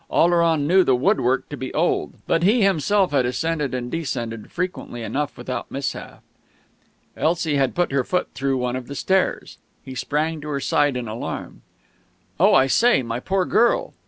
Oleron knew the woodwork to be old, but he himself had ascended and descended frequently enough without mishap.... Elsie had put her foot through one of the stairs. He sprang to her side in alarm. "Oh, I say! My poor girl!"